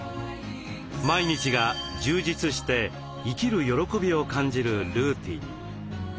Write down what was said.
毎日が充実して生きる喜びを感じる「ルーティン」。